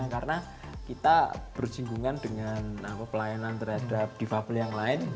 karena kita bersinggungan dengan pelayanan terhadap divabel yang lain